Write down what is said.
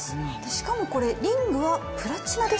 しかもこれリングはプラチナですか？